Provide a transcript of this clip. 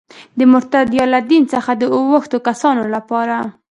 د مرتد یا له دین څخه د اوښتو کسانو لپاره.